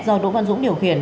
do đỗ văn dũng điều khiển